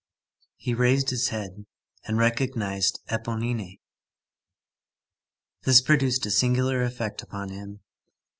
He raised his head and recognized Éponine. This produced a singular effect upon him.